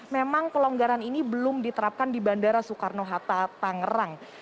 memang pelonggaran ini belum diterapkan di bandara soekarno hatta tangerang